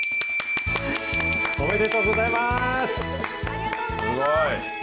ありがとうございます。